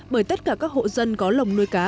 bởi tất cả các hộ dân có lồng nuôi cá